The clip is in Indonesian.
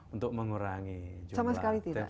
untuk mengurangi jumlah